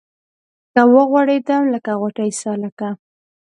که غوړېدم لکه غوټۍ سالکه